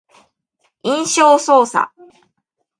印象操作